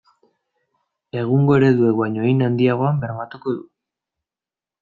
Egungo ereduek baino hein handiagoan bermatuko du.